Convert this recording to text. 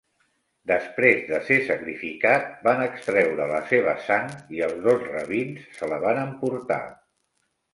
Després de ser sacrificat, van extreure la seva sang i els dos rabins se la van emportar.